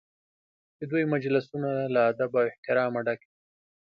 د دوی مجلسونه له ادب او احترامه ډک وي.